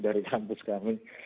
dari kampus kami